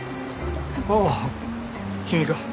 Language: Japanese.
ああ君か。